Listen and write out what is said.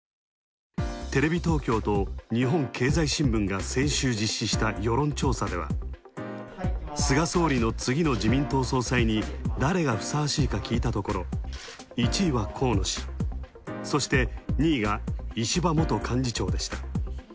テレビ東京と日本経済新聞が先週実施した世論調査では、菅総理の次の総裁選に誰がふさわしいか聞いたところ１位は河野氏、そして３位が石破元幹事長でした。